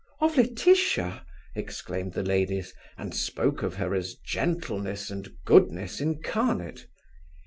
"Of Laetitia?" exclaimed the ladies; and spoke of her as gentleness and goodness incarnate.